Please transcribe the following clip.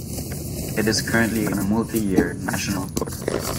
It is currently on a multi-year, national tour.